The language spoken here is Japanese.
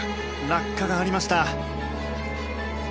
落下がありました。